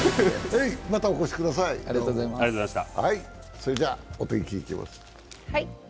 それではお天気にいきます。